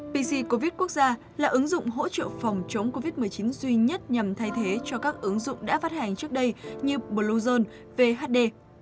pc covid quốc gia là ứng dụng hỗ trợ phòng chống covid một mươi chín duy nhất nhằm thay thế cho các ứng dụng đã phát hành trước đây như bluezone vhd